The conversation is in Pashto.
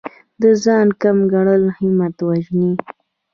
د ځان کم ګڼل همت وژني.